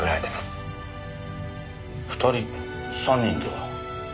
２人３人では？